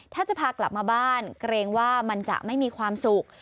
ถ้าจะพากลับมาบ้านเกรงว่ามันจะไม่มีความสุข